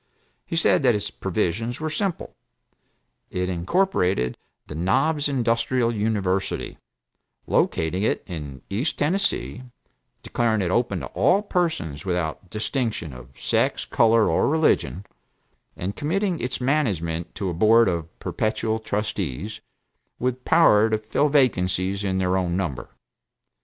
He said that its provisions were simple. It incorporated the Knobs Industrial University, locating it in East Tennessee, declaring it open to all persons without distinction of sex, color or religion, and committing its management to a board of perpetual trustees, with power to fill vacancies in their own number.